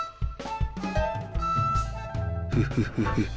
フフフフフ。